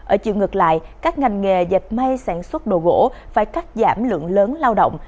ở chiều ngược lại các ngành nghề dệt may sản xuất đồ gỗ phải cắt giảm lượng lớn lao động